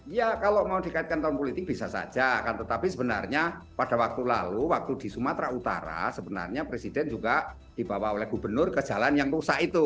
ya kalau mau dikaitkan tahun politik bisa saja kan tetapi sebenarnya pada waktu lalu waktu di sumatera utara sebenarnya presiden juga dibawa oleh gubernur ke jalan yang rusak itu